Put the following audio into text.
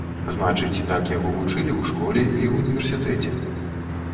Значыць, так яго вучылі ў школе і ўніверсітэце.